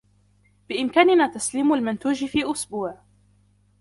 بإمكاننا تسليم المنتوج في أسبوع.